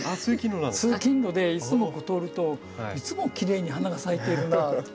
通勤路でいつもここ通るといつもきれいに花が咲いているなあと。